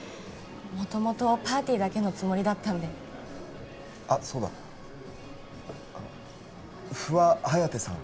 元々パーティーだけのつもりだったんであっそうだ不破颯さん